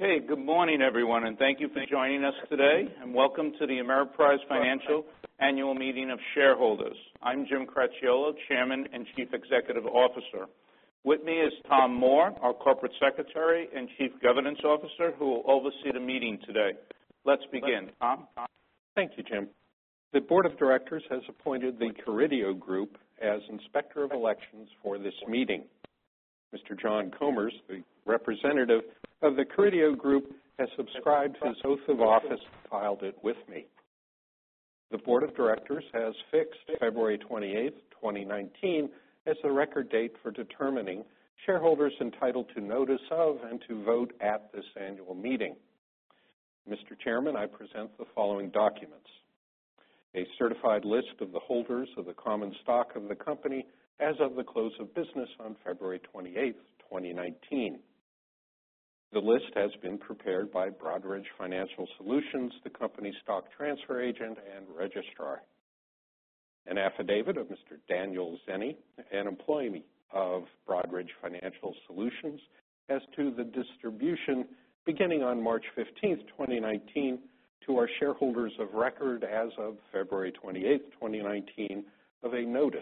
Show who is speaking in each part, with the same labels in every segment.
Speaker 1: Hey, good morning, everyone, and thank you for joining us today, and welcome to the Ameriprise Financial Annual Meeting of Shareholders. I'm Jim Cracchiolo, Chairman and Chief Executive Officer. With me is Tom Moore, our Corporate Secretary and Chief Governance Officer, who will oversee the meeting today. Let's begin. Tom?
Speaker 2: Thank you, Jim. The Board of Directors has appointed The Carideo Group as Inspector of Elections for this meeting. Mr. John Comers, the representative of The Carideo Group, has subscribed his oath of office and filed it with me. The Board of Directors has fixed February 28th, 2019, as the record date for determining shareholders entitled to notice of and to vote at this annual meeting. Mr. Chairman, I present the following documents. A certified list of the holders of the common stock of the company as of the close of business on February 28th, 2019. The list has been prepared by Broadridge Financial Solutions, the company stock transfer agent and registrar. An affidavit of Mr. Daniel Guenier, an employee of Broadridge Financial Solutions, as to the distribution beginning on March 15th, 2019, to our shareholders of record as of February 28th, 2019, of a notice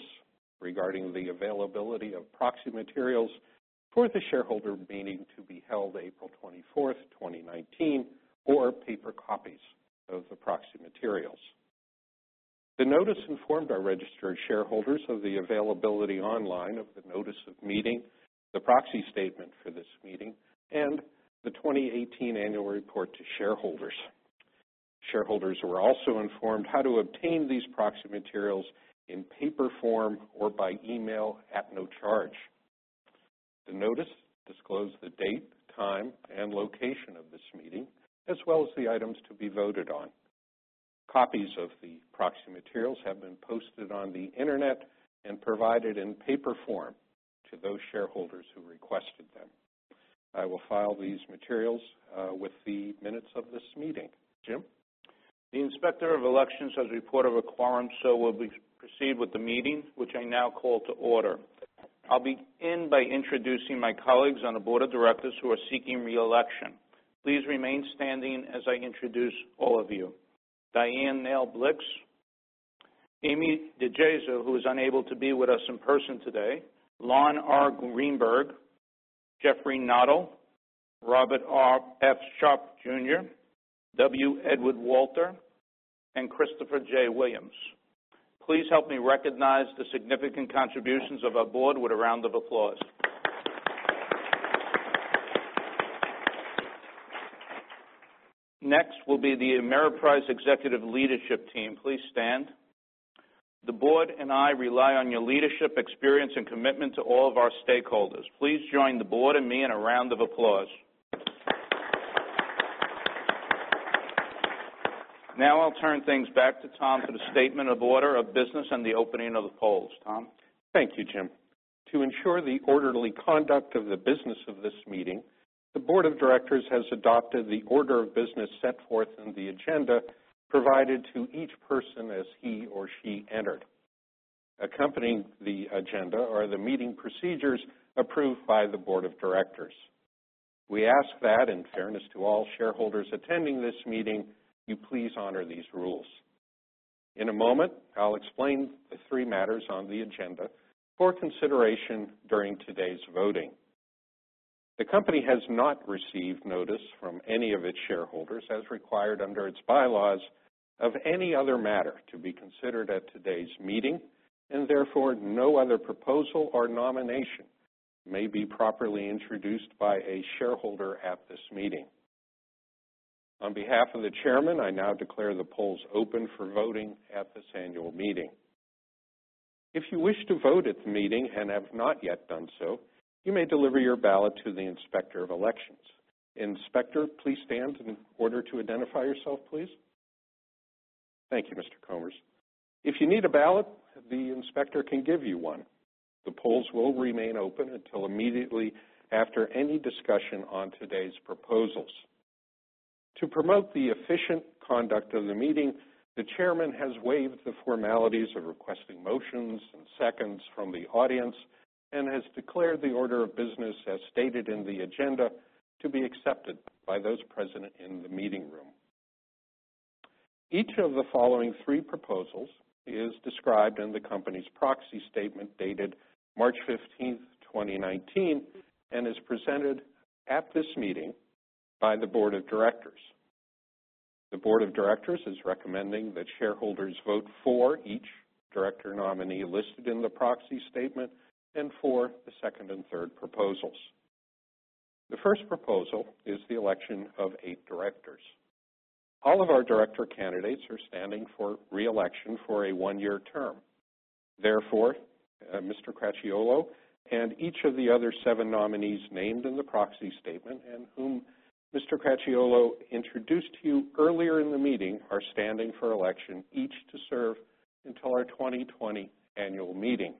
Speaker 2: regarding the availability of proxy materials for the shareholder meeting to be held April 24th, 2019, or paper copies of the proxy materials. The notice informed our registered shareholders of the availability online of the notice of meeting, the proxy statement for this meeting, and the 2018 Annual Report to Shareholders. Shareholders were also informed how to obtain these proxy materials in paper form or by email at no charge. The notice disclosed the date, time, and location of this meeting, as well as the items to be voted on. Copies of the proxy materials have been posted on the internet and provided in paper form to those shareholders who requested them. I will file these materials with the minutes of this meeting. Jim?
Speaker 1: The Inspector of Elections has reported a quorum, we'll proceed with the meeting, which I now call to order. I'll begin by introducing my colleagues on the Board of Directors who are seeking re-election. Please remain standing as I introduce all of you. Dianne Neal Blixt, Amy DiGeso, who is unable to be with us in person today, Lon R. Greenberg, Jeffrey Noddle, Robert F. Sharpe Jr., W. Edward Walter, and Christopher J. Williams. Please help me recognize the significant contributions of our board with a round of applause. Next will be the Ameriprise Executive Leadership Team. Please stand. The board and I rely on your leadership, experience, and commitment to all of our stakeholders. Please join the board and me in a round of applause. Now I'll turn things back to Tom for the statement of order of business and the opening of the polls. Tom?
Speaker 2: Thank you, Jim. To ensure the orderly conduct of the business of this meeting, the Board of Directors has adopted the order of business set forth in the agenda provided to each person as he or she entered. Accompanying the agenda are the meeting procedures approved by the Board of Directors. We ask that, in fairness to all shareholders attending this meeting, you please honor these rules. In a moment, I'll explain the three matters on the agenda for consideration during today's voting. The company has not received notice from any of its shareholders, as required under its bylaws, of any other matter to be considered at today's meeting, therefore, no other proposal or nomination may be properly introduced by a shareholder at this meeting. On behalf of the chairman, I now declare the polls open for voting at this annual meeting. If you wish to vote at the meeting and have not yet done so, you may deliver your ballot to the Inspector of Elections. Inspector, please stand in order to identify yourself, please. Thank you, Mr. Comerford. If you need a ballot, the inspector can give you one. The polls will remain open until immediately after any discussion on today's proposals. To promote the efficient conduct of the meeting, the chairman has waived the formalities of requesting motions and seconds from the audience and has declared the order of business as stated in the agenda to be accepted by those present in the meeting room. Each of the following three proposals is described in the company's proxy statement dated March 15th, 2019, and is presented at this meeting by the Board of Directors. The Board of Directors is recommending that shareholders vote for each director nominee listed in the proxy statement and for the second and third proposals. The first proposal is the election of eight directors. All of our director candidates are standing for re-election for a one-year term. Therefore, Mr. Cracchiolo and each of the other seven nominees named in the proxy statement and whom Mr. Cracchiolo introduced to you earlier in the meeting, are standing for election, each to serve until our 2020 annual meeting.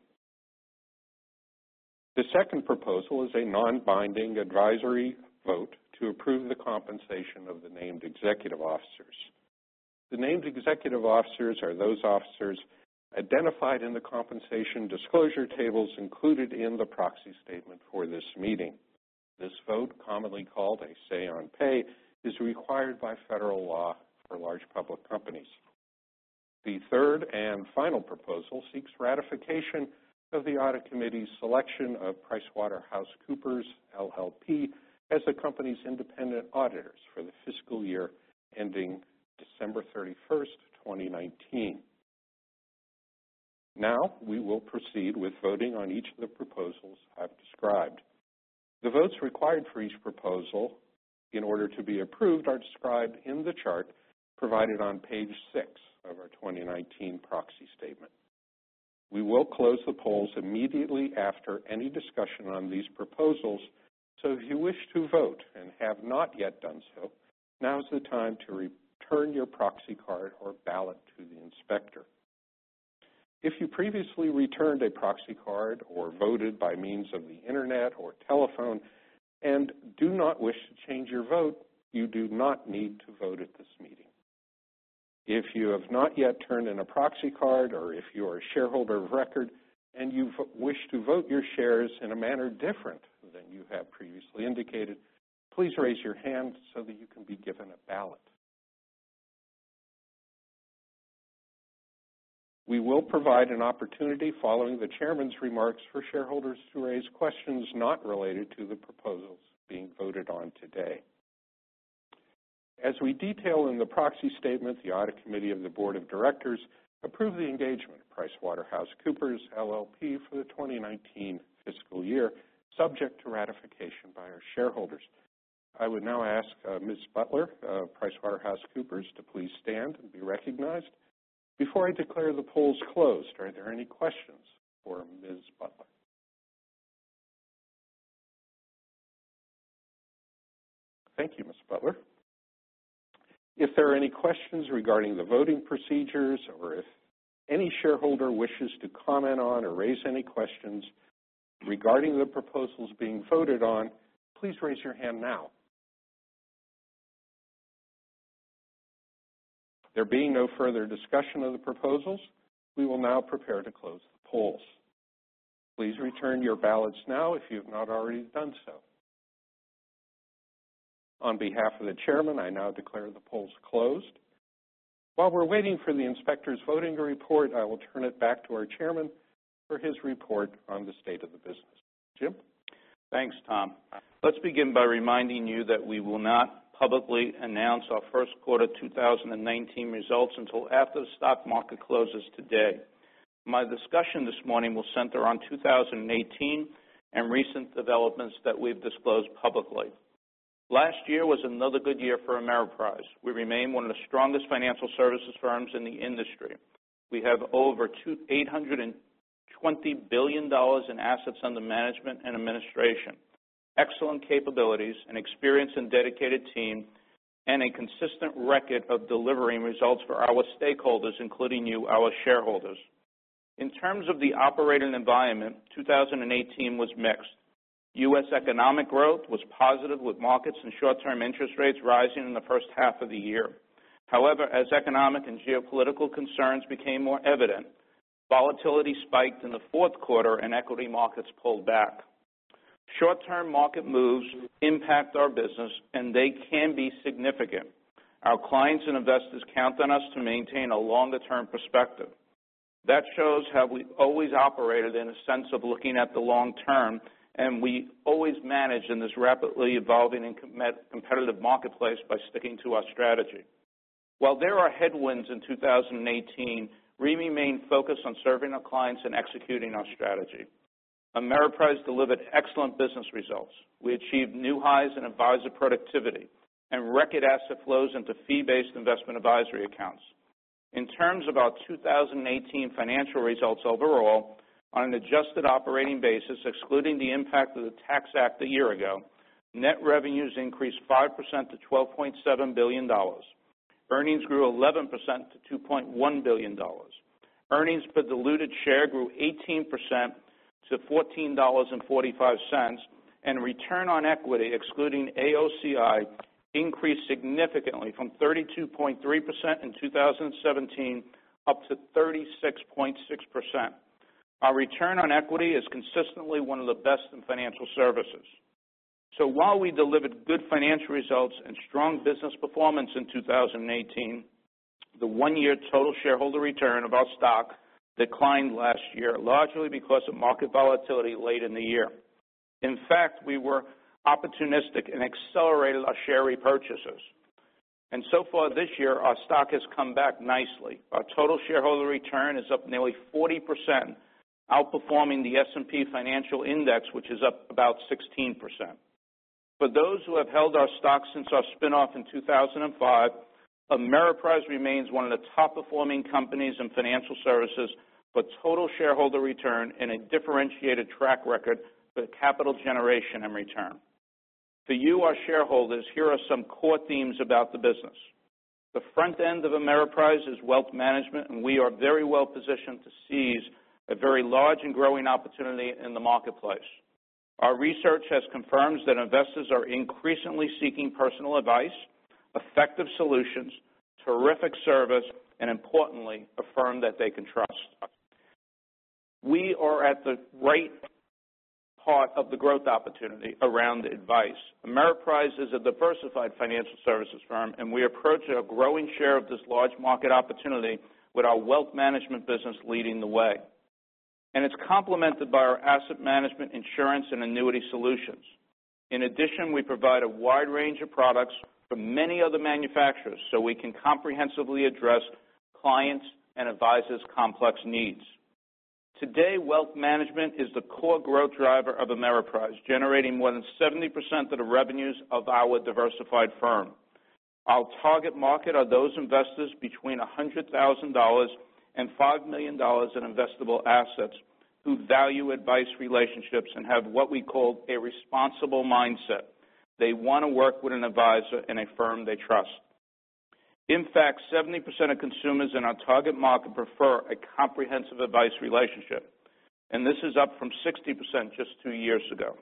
Speaker 2: The second proposal is a non-binding advisory vote to approve the compensation of the named executive officers. The named executive officers are those officers identified in the compensation disclosure tables included in the proxy statement for this meeting. This vote, commonly called a say on pay, is required by federal law for large public companies. The third and final proposal seeks ratification of the Audit Committee's selection of PricewaterhouseCoopers, LLP, as the company's independent auditors for the fiscal year ending December 31st, 2019. We will proceed with voting on each of the proposals I've described. The votes required for each proposal in order to be approved are described in the chart provided on page six of our 2019 proxy statement. We will close the polls immediately after any discussion on these proposals. If you wish to vote and have not yet done so, now is the time to return your proxy card or ballot to the inspector. If you previously returned a proxy card or voted by means of the Internet or telephone and do not wish to change your vote, you do not need to vote at this meeting. If you have not yet turned in a proxy card or if you are a shareholder of record and you wish to vote your shares in a manner different than you have previously indicated, please raise your hand so that you can be given a ballot. We will provide an opportunity following the chairman's remarks for shareholders to raise questions not related to the proposals being voted on today. As we detail in the proxy statement, the Audit Committee of the Board of Directors approved the engagement of PricewaterhouseCoopers, LLP, for the 2019 fiscal year, subject to ratification by our shareholders. I would now ask Ms. Butler of PricewaterhouseCoopers to please stand and be recognized. Before I declare the polls closed, are there any questions for Ms. Butler? Thank you, Ms. Butler. If there are any questions regarding the voting procedures or if any shareholder wishes to comment on or raise any questions regarding the proposals being voted on, please raise your hand now. There being no further discussion of the proposals, we will now prepare to close the polls. Please return your ballots now if you have not already done so. On behalf of the chairman, I now declare the polls closed. While we're waiting for the inspector's voting report, I will turn it back to our chairman for his report on the state of the business. Jim?
Speaker 1: Thanks, Tom. Let's begin by reminding you that we will not publicly announce our first quarter 2019 results until after the stock market closes today. My discussion this morning will center on 2018 and recent developments that we've disclosed publicly. Last year was another good year for Ameriprise. We remain one of the strongest financial services firms in the industry. We have over $820 billion in assets under management and administration, excellent capabilities, an experienced and dedicated team, and a consistent record of delivering results for our stakeholders, including you, our shareholders. In terms of the operating environment, 2018 was mixed. U.S. economic growth was positive, with markets and short-term interest rates rising in the first half of the year. As economic and geopolitical concerns became more evident, volatility spiked in the fourth quarter and equity markets pulled back. Short-term market moves impact our business, and they can be significant. Our clients and investors count on us to maintain a longer-term perspective. That shows how we've always operated in a sense of looking at the long term, and we always manage in this rapidly evolving and competitive marketplace by sticking to our strategy. While there are headwinds in 2018, we remain focused on serving our clients and executing our strategy. Ameriprise delivered excellent business results. We achieved new highs in advisor productivity and record asset flows into fee-based investment advisory accounts. In terms of our 2018 financial results overall, on an adjusted operating basis, excluding the impact of the Tax Act a year ago, net revenues increased 5% to $12.7 billion. Earnings grew 11% to $2.1 billion. Earnings per diluted share grew 18% to $14.45, and return on equity, excluding AOCI, increased significantly from 32.3% in 2017 up to 36.6%. Our return on equity is consistently one of the best in financial services. While we delivered good financial results and strong business performance in 2018, the one-year total shareholder return of our stock declined last year, largely because of market volatility late in the year. In fact, we were opportunistic and accelerated our share repurchases. So far this year, our stock has come back nicely. Our total shareholder return is up nearly 40%, outperforming the S&P 500 Financials, which is up about 16%. For those who have held our stock since our spinoff in 2005, Ameriprise remains one of the top-performing companies in financial services for total shareholder return and a differentiated track record for capital generation and return. For you, our shareholders, here are some core themes about the business. The front end of Ameriprise is wealth management, and we are very well-positioned to seize a very large and growing opportunity in the marketplace. Our research has confirmed that investors are increasingly seeking personal advice, effective solutions, terrific service, and importantly, a firm that they can trust. We are at the right part of the growth opportunity around advice. Ameriprise is a diversified financial services firm, and we approach a growing share of this large market opportunity with our wealth management business leading the way. It's complemented by our asset management, insurance, and annuity solutions. In addition, we provide a wide range of products from many other manufacturers so we can comprehensively address clients' and advisors' complex needs. Today, wealth management is the core growth driver of Ameriprise, generating more than 70% of the revenues of our diversified firm. Our target market are those investors between $100,000 and $5 million in investable assets who value advice relationships and have what we call a responsible mindset. They want to work with an advisor and a firm they trust. In fact, 70% of consumers in our target market prefer a comprehensive advice relationship, and this is up from 60% just two years ago.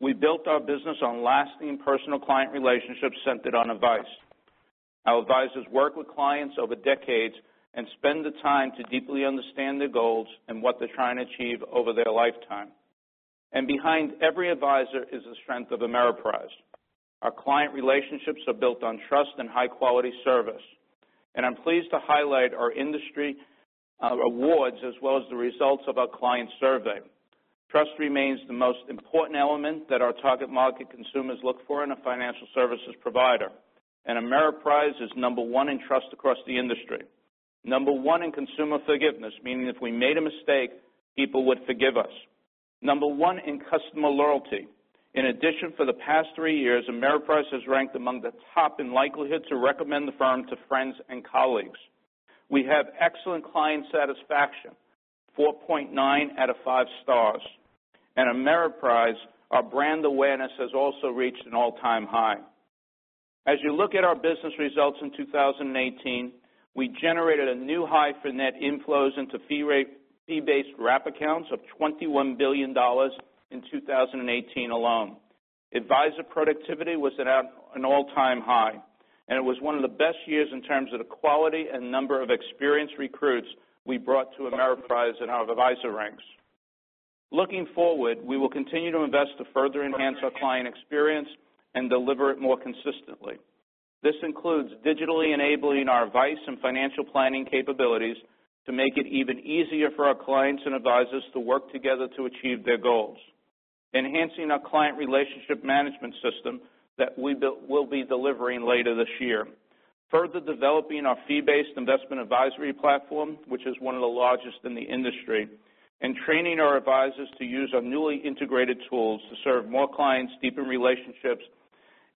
Speaker 1: We built our business on lasting personal client relationships centered on advice. Our advisors work with clients over decades and spend the time to deeply understand their goals and what they're trying to achieve over their lifetime. Behind every advisor is the strength of Ameriprise. Our client relationships are built on trust and high-quality service. I'm pleased to highlight our industry awards as well as the results of our client survey. Trust remains the most important element that our target market consumers look for in a financial services provider, and Ameriprise is number one in trust across the industry. Number one in consumer forgiveness, meaning if we made a mistake, people would forgive us. Number one in customer loyalty. In addition, for the past three years, Ameriprise has ranked among the top in likelihood to recommend the firm to friends and colleagues. We have excellent client satisfaction, 4.9 out of 5 stars. At Ameriprise, our brand awareness has also reached an all-time high. As you look at our business results in 2018, we generated a new high for net inflows into fee-based wrap accounts of $21 billion in 2018 alone. Advisor productivity was at an all-time high, and it was one of the best years in terms of the quality and number of experienced recruits we brought to Ameriprise in our advisor ranks. Looking forward, we will continue to invest to further enhance our client experience and deliver it more consistently. This includes digitally enabling our advice and financial planning capabilities to make it even easier for our clients and advisors to work together to achieve their goals. Enhancing our client relationship management system that we'll be delivering later this year. Further developing our fee-based investment advisory platform, which is one of the largest in the industry. Training our advisors to use our newly integrated tools to serve more clients, deepen relationships,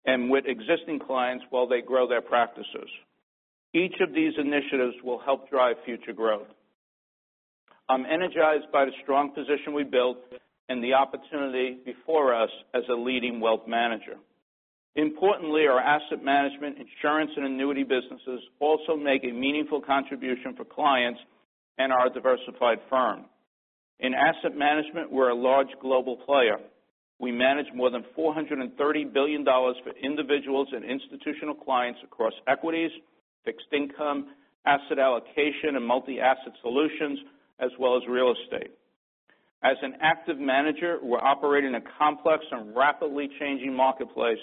Speaker 1: and with existing clients while they grow their practices. Each of these initiatives will help drive future growth. I'm energized by the strong position we built and the opportunity before us as a leading wealth manager. Importantly, our asset management, insurance, and annuity businesses also make a meaningful contribution for clients and our diversified firm. In asset management, we're a large global player. We manage more than $430 billion for individuals and institutional clients across equities, fixed income, asset allocation, and multi-asset solutions, as well as real estate. As an active manager, we operate in a complex and rapidly changing marketplace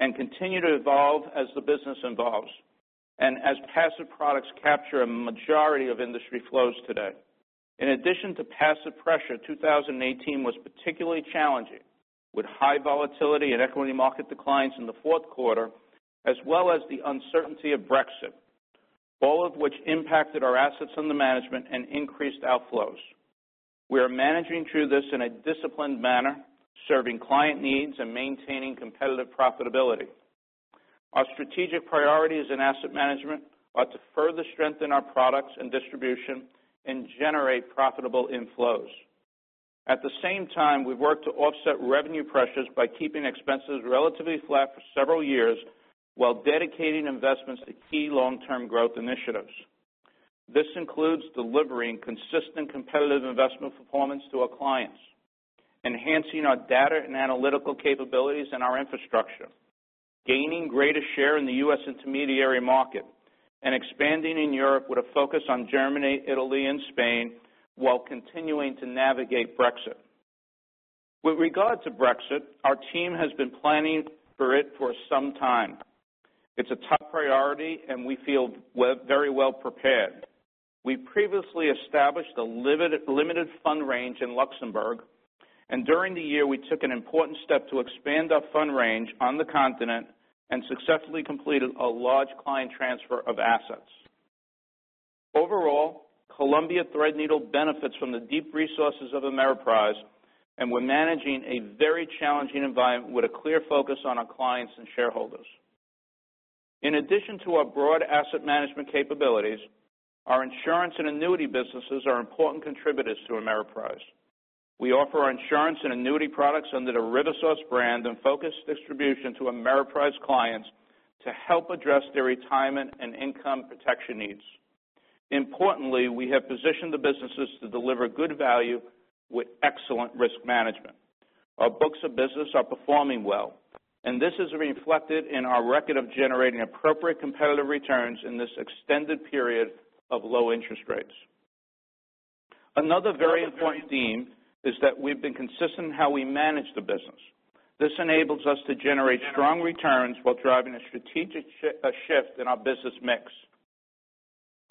Speaker 1: and continue to evolve as the business evolves, and as passive products capture a majority of industry flows today. In addition to passive pressure, 2018 was particularly challenging, with high volatility and equity market declines in the fourth quarter, as well as the uncertainty of Brexit, all of which impacted our assets under management and increased outflows. We are managing through this in a disciplined manner, serving client needs and maintaining competitive profitability. Our strategic priorities in asset management are to further strengthen our products and distribution and generate profitable inflows. At the same time, we've worked to offset revenue pressures by keeping expenses relatively flat for several years while dedicating investments to key long-term growth initiatives. This includes delivering consistent competitive investment performance to our clients, enhancing our data and analytical capabilities and our infrastructure, gaining greater share in the U.S. intermediary market, and expanding in Europe with a focus on Germany, Italy, and Spain, while continuing to navigate Brexit. With regard to Brexit, our team has been planning for it for some time. It's a top priority, and we feel very well prepared. We previously established a limited fund range in Luxembourg, and during the year, we took an important step to expand our fund range on the continent and successfully completed a large client transfer of assets. Overall, Columbia Threadneedle benefits from the deep resources of Ameriprise, and we're managing a very challenging environment with a clear focus on our clients and shareholders. In addition to our broad asset management capabilities, our insurance and annuity businesses are important contributors to Ameriprise. We offer our insurance and annuity products under the RiverSource brand and focus distribution to Ameriprise clients to help address their retirement and income protection needs. Importantly, we have positioned the businesses to deliver good value with excellent risk management. Our books of business are performing well, and this is reflected in our record of generating appropriate competitive returns in this extended period of low interest rates. Another very important theme is that we've been consistent in how we manage the business. This enables us to generate strong returns while driving a strategic shift in our business mix.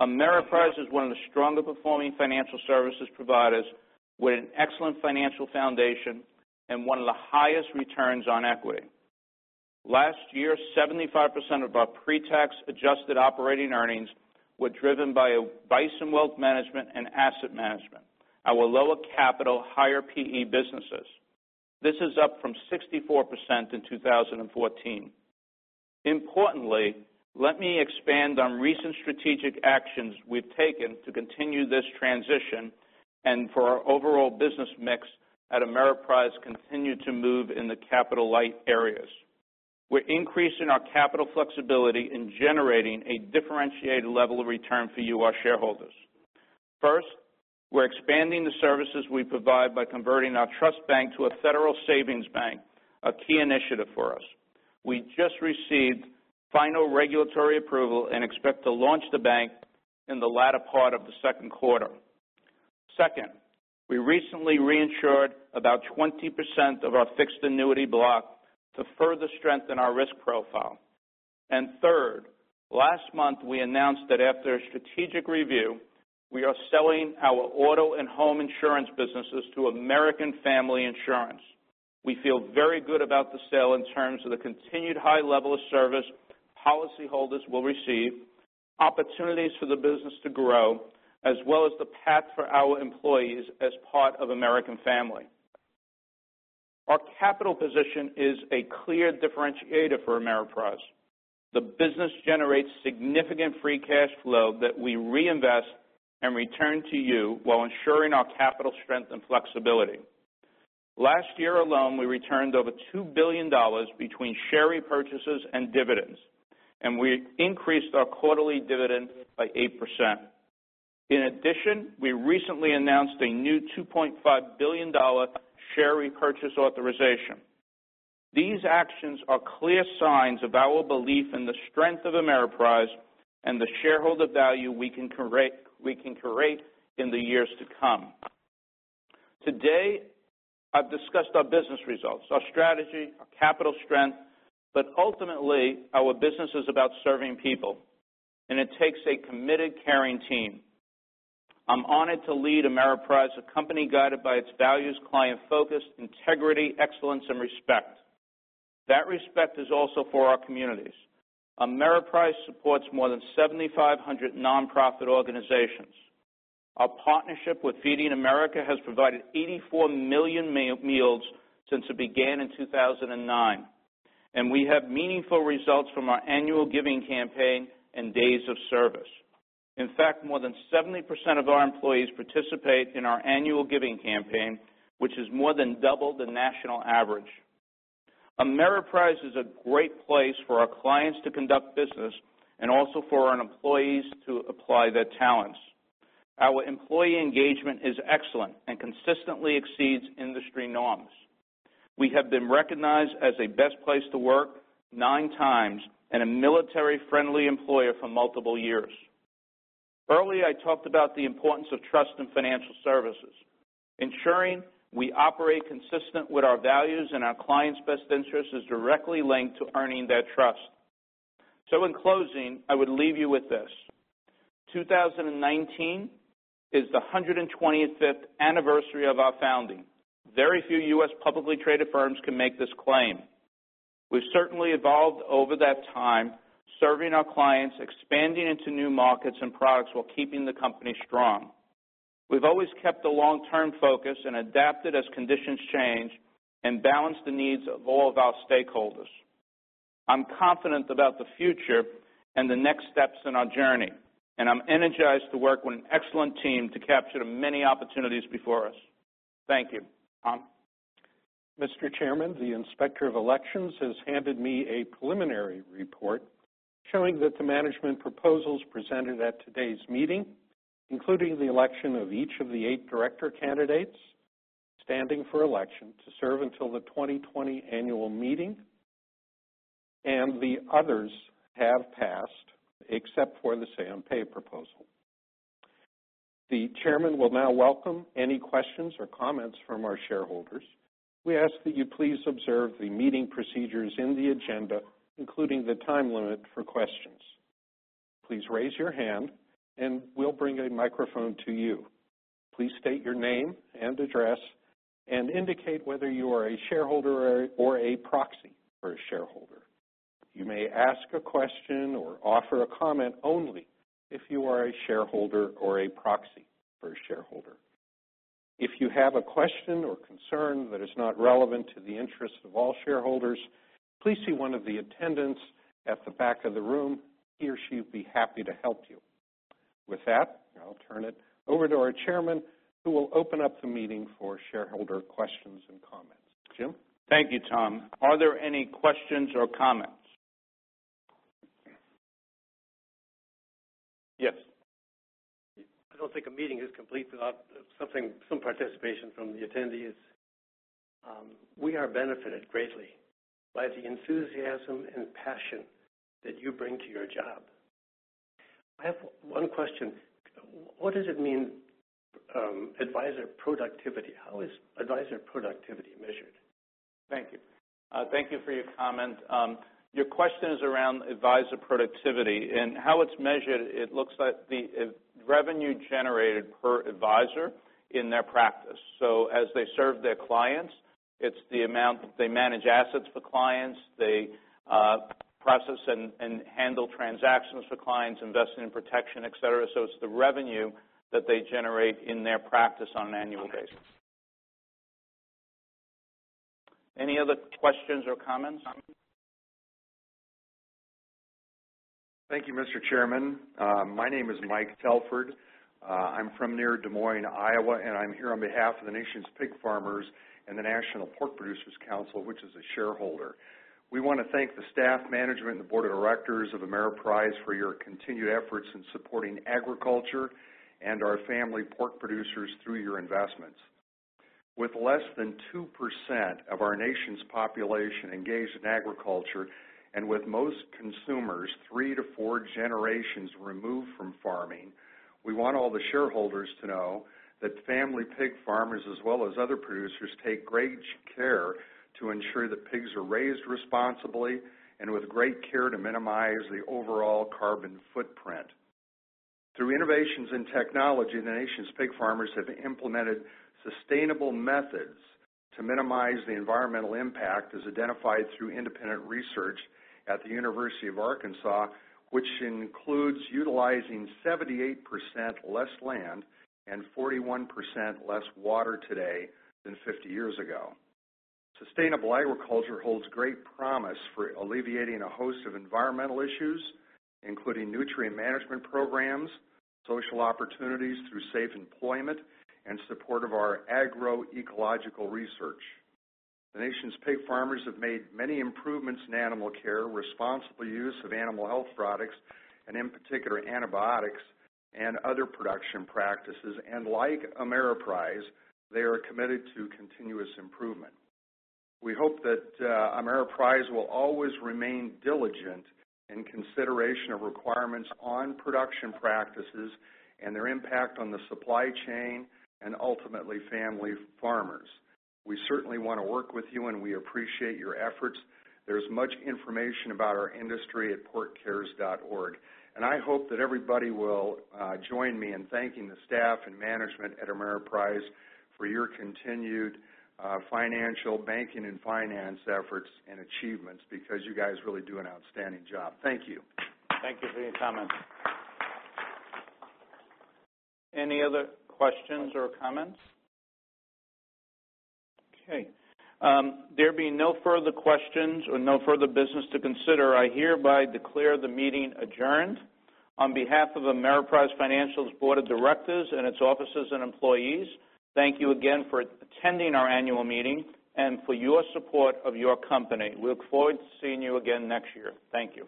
Speaker 1: Ameriprise is one of the stronger performing financial services providers with an excellent financial foundation and one of the highest returns on equity. Last year, 75% of our pre-tax adjusted operating earnings were driven by advice and wealth management and asset management, our lower capital, higher P/E businesses. This is up from 64% in 2014. Importantly, let me expand on recent strategic actions we've taken to continue this transition and for our overall business mix at Ameriprise continue to move in the capital light areas. We're increasing our capital flexibility in generating a differentiated level of return for you, our shareholders. First, we're expanding the services we provide by converting our trust bank to a federal savings bank, a key initiative for us. We just received final regulatory approval and expect to launch the bank in the latter part of the second quarter. Second, we recently reinsured about 20% of our fixed annuity block to further strengthen our risk profile. Third, last month, we announced that after a strategic review, we are selling our auto and home insurance businesses to American Family Insurance. We feel very good about the sale in terms of the continued high level of service policy holders will receive, opportunities for the business to grow, as well as the path for our employees as part of American Family. Our capital position is a clear differentiator for Ameriprise. The business generates significant free cash flow that we reinvest and return to you while ensuring our capital strength and flexibility. Last year alone, we returned over $2 billion between share repurchases and dividends, and we increased our quarterly dividend by 8%. In addition, we recently announced a new $2.5 billion share repurchase authorization. These actions are clear signs of our belief in the strength of Ameriprise and the shareholder value we can create in the years to come. Today, I've discussed our business results, our strategy, our capital strength, ultimately, our business is about serving people, and it takes a committed, caring team. I'm honored to lead Ameriprise, a company guided by its values, client focus, integrity, excellence, and respect. That respect is also for our communities. Ameriprise supports more than 7,500 nonprofit organizations. Our partnership with Feeding America has provided 84 million meals since it began in 2009, and we have meaningful results from our annual giving campaign and days of service. In fact, more than 70% of our employees participate in our annual giving campaign, which is more than double the national average. Ameriprise is a great place for our clients to conduct business and also for our employees to apply their talents. Our employee engagement is excellent and consistently exceeds industry norms. We have been recognized as a best place to work nine times and a military-friendly employer for multiple years. Earlier, I talked about the importance of trust in financial services. Ensuring we operate consistent with our values and our clients' best interests is directly linked to earning their trust. In closing, I would leave you with this. 2019 is the 125th anniversary of our founding. Very few U.S. publicly traded firms can make this claim. We've certainly evolved over that time, serving our clients, expanding into new markets and products while keeping the company strong. We've always kept the long-term focus and adapted as conditions change and balanced the needs of all of our stakeholders. I'm confident about the future and the next steps in our journey, and I'm energized to work with an excellent team to capture the many opportunities before us. Thank you. Tom?
Speaker 2: Mr. Chairman, the Inspector of Elections has handed me a preliminary report showing that the management proposals presented at today's meeting, including the election of each of the eight director candidates standing for election to serve until the 2020 annual meeting, and the others have passed, except for the say on pay proposal. The chairman will now welcome any questions or comments from our shareholders. We ask that you please observe the meeting procedures in the agenda, including the time limit for questions. Please raise your hand and we'll bring a microphone to you. Please state your name and address and indicate whether you are a shareholder or a proxy for a shareholder. You may ask a question or offer a comment only if you are a shareholder or a proxy for a shareholder. If you have a question or concern that is not relevant to the interest of all shareholders, please see one of the attendants at the back of the room. He or she would be happy to help you. With that, I'll turn it over to our chairman, who will open up the meeting for shareholder questions and comments.
Speaker 3: Jim.
Speaker 1: Thank you, Tom. Are there any questions or comments? Yes.
Speaker 3: I don't think a meeting is complete without some participation from the attendees. We are benefited greatly by the enthusiasm and passion that you bring to your job. I have one question. What does it mean, advisor productivity? How is advisor productivity measured? Thank you.
Speaker 1: Thank you for your comment. Your question is around advisor productivity and how it's measured. It looks at the revenue generated per advisor in their practice. As they serve their clients, it's the amount that they manage assets for clients. They process and handle transactions for clients, investment and protection, et cetera. It's the revenue that they generate in their practice on an annual basis. Any other questions or comments?
Speaker 4: Thank you, Mr. Chairman. My name is Mike Telford. I'm from near Des Moines, Iowa, and I'm here on behalf of the nation's pig farmers and the National Pork Producers Council, which is a shareholder. We want to thank the staff, management, and the board of directors of Ameriprise for your continued efforts in supporting agriculture and our family pork producers through your investments. With less than 2% of our nation's population engaged in agriculture, with most consumers three to four generations removed from farming, we want all the shareholders to know that family pig farmers, as well as other producers, take great care to ensure that pigs are raised responsibly and with great care to minimize the overall carbon footprint. Through innovations in technology, the nation's pig farmers have implemented sustainable methods to minimize the environmental impact as identified through independent research at the University of Arkansas, which includes utilizing 78% less land and 41% less water today than 50 years ago. Sustainable agriculture holds great promise for alleviating a host of environmental issues, including nutrient management programs, social opportunities through safe employment, and support of our agroecological research. The nation's pig farmers have made many improvements in animal care, responsible use of animal health products, and in particular, antibiotics and other production practices. Like Ameriprise, they are committed to continuous improvement. We hope that Ameriprise will always remain diligent in consideration of requirements on production practices and their impact on the supply chain and ultimately family farmers. We certainly want to work with you, and we appreciate your efforts. There's much information about our industry at porkcares.org. I hope that everybody will join me in thanking the staff and management at Ameriprise for your continued financial, banking, and finance efforts and achievements because you guys really do an outstanding job. Thank you.
Speaker 1: Thank you for your comments. Any other questions or comments? Okay. There being no further questions or no further business to consider, I hereby declare the meeting adjourned. On behalf of Ameriprise Financial's board of directors and its officers and employees, thank you again for attending our annual meeting and for your support of your company. We look forward to seeing you again next year. Thank you.